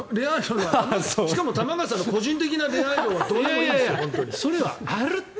しかも玉川さんの個人的な恋愛論はそれはあるって。